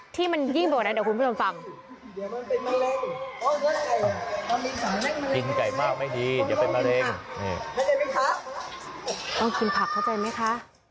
ต้องกินผักเข้าใจมั้ยคะ